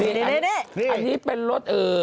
นี่นี่นี่นี่นี่เป็นรถเอ่อ